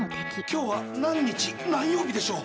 今日は何日、何曜日でしょう？